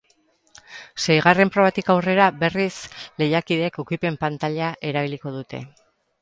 Seigarren probatik aurrera, berriz, lehiakideek ukipen pantaila erabiliko dute.